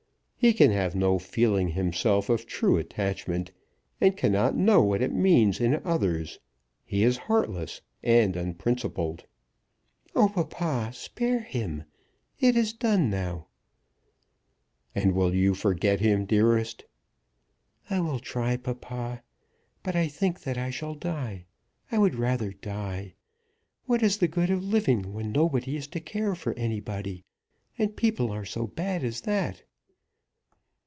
He can have no feeling himself of true attachment, and cannot know what it means in others. He is heartless, and unprincipled." "Oh, papa, spare him. It is done now." "And you will forget him, dearest?" "I will try, papa. But I think that I shall die. I would rather die. What is the good of living when nobody is to care for anybody, and people are so bad as that?"